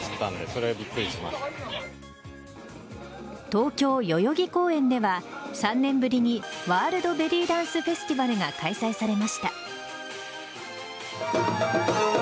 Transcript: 東京・代々木公園では３年ぶりにワールドベリーダンスフェスティバルが開催されました。